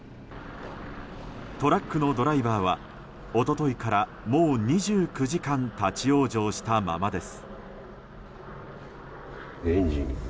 トラックのドライバーは一昨日からもう２９時間立ち往生したままです。